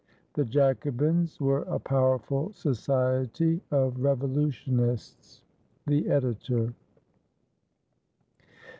The Jacobins were a powerful society of revolutionists. The Editor.